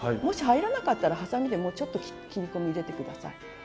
もし入らなかったらはさみでもうちょっと切り込み入れて下さい。